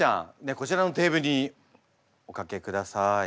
こちらのテーブルにお掛けください。